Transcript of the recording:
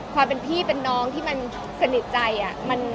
พอเป็นพี่เป็นน้องที่มันสนิทใจอ่ะ